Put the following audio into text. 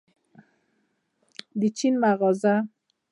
د چین معجزه.